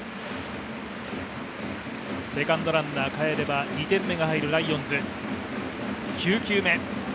セカンドランナー帰れば２点目が入るライオンズ。